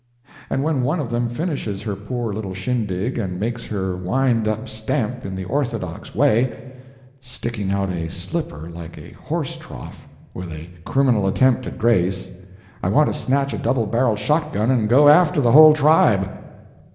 And when one of them finishes her poor little shindig and makes her wind up stamp in the orthodox way, sticking out a slipper like a horse trough, with a criminal attempt at grace, I want to snatch a double barrelled shot gun and go after the whole tribe.